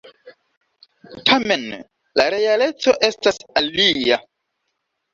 Tamen la realeco estas alia.